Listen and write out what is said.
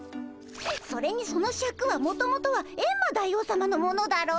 それにそのシャクはもともとはエンマ大王さまのものだろ？